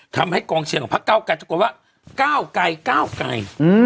ทำให้กองเชียร์ของพระเก้ากันจะกลัวว่าเก้าไก่เก้าไก่